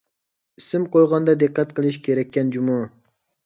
ئىسىم قويغاندا دىققەت قىلىش كېرەككەن جۇمۇ.